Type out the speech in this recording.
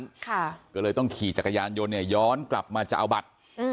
ค่ะก็เลยต้องขี่จักรยานยนต์เนี่ยย้อนกลับมาจะเอาบัตรอืม